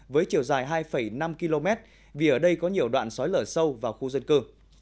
với chiều dài hai năm km vì ở đây có nhiều đoạn xói lở sâu vào khu dân cư